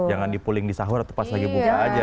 jangan dipuling di sahur atau pas lagi buka aja